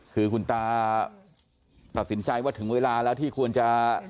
คือคุณตาตัดสินใจว่าถึงเวลาแล้วที่ควรจะ